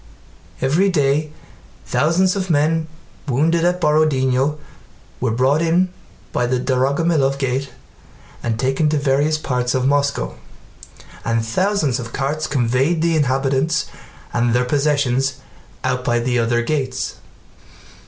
Every day thousands of men wounded at Borodinó were brought in by the Dorogomílov gate and taken to various parts of Moscow, and thousands of carts conveyed the inhabitants and their possessions out by the other gates.